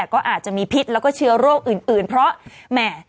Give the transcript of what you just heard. ก็อาจจะมีพิษแล้วก็เชื้อโรคอื่นเพราะแหม่